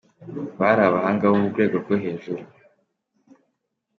Bari abahanga bo mu rwego rwo hejuru.